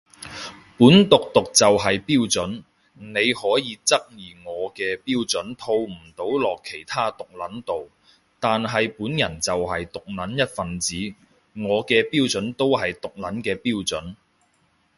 本毒毒就係標準，你可以質疑我嘅標準套唔到落其他毒撚度，但係本人就係毒撚一份子，我嘅標準都係毒撚嘅標準